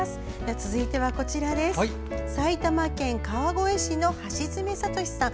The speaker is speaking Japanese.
続いては埼玉県川越市の橋爪悟司さん。